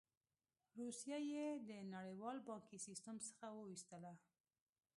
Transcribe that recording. روسیه یې د نړیوال بانکي سیستم څخه وویستله.